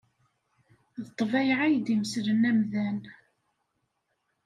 D ḍḍbayeɛ ay d-imesslen amdan.